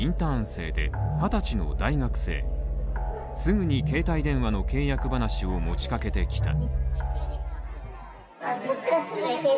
生で二十歳の大学生すぐに携帯電話の契約話を持ちかけてきた。